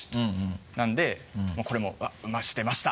なんでもうこれも「うまし出ました」